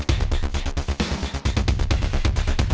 beruang kejar puter balik sekarang